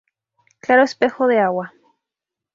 Claro Espejo de Agua".